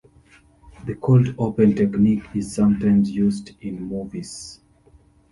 The cold open technique is sometimes used in movies.